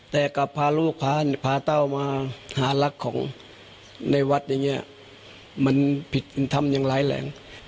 แต่กลับพาลูกพาเต้ามาหารักของในวัดอย่างนี้มันผิดทำอย่างร้ายแรง